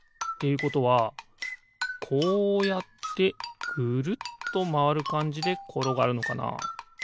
いうことはこうやってぐるっとまわるかんじでころがるのかな？